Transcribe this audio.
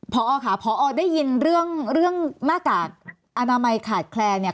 พอค่ะพอได้ยินเรื่องหน้ากากอนามัยขาดแคลนเนี่ย